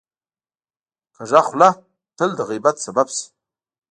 کوږه خوله تل د غیبت سبب شي